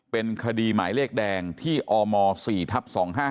เป็นคดีหมายเลขแดงที่อม๔ทับ๒๕๕